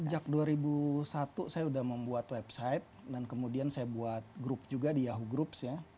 sejak dua ribu satu saya sudah membuat website dan kemudian saya buat grup juga di yahu groups ya